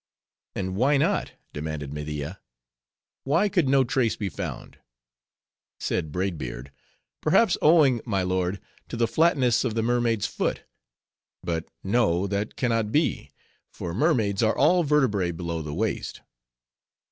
"And why not?" demanded Media, "why could no trace be found?" Said Braid Beard, "Perhaps owing, my lord, to the flatness of the mermaid's foot. But no; that can not be; for mermaids are all vertebrae below the waist."